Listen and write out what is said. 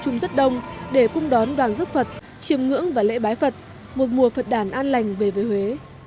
chúng rất đông để cung đón đoàn giúp phật chiêm ngưỡng và lễ bái phật một mùa phật đản an lành về với huế